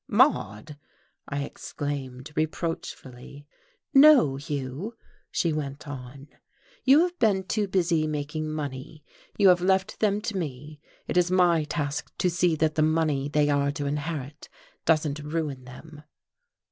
"Maude!" I exclaimed reproachfully. "No, Hugh," she went on, "you have been too busy making money. You have left them to me. It is my task to see that the money they are to inherit doesn't ruin them."